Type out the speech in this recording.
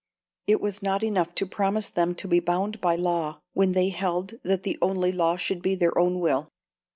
It was not enough to promise them to be bound by law, when they held that the only law should be their own will.